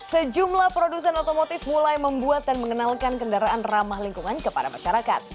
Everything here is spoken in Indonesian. sejumlah produsen otomotif mulai membuat dan mengenalkan kendaraan ramah lingkungan kepada masyarakat